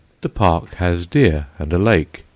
The park has deer and a lake.